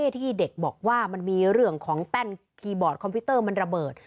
ที่เด็กบอกว่ามันมีเรื่องของแป้นคีย์บอร์ดคอมพิวเตอร์มันระเบิด